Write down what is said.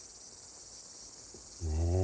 ねえ。